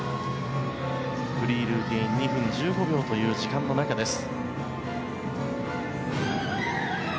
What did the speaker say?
フリールーティン２分１５秒という時間の中です。